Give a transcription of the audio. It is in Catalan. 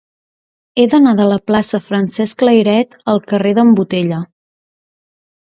He d'anar de la plaça de Francesc Layret al carrer d'en Botella.